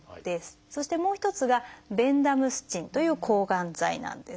そしてもう一つがベンダムスチンという抗がん剤なんです。